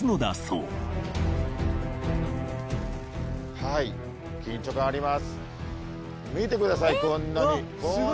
はい見てくださいこんなに。